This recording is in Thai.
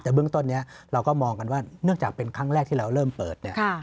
แต่เบื้องต้นนี้เราก็มองกันว่าเนื่องจากเป็นครั้งแรกที่เราเริ่มเปิดเนี่ย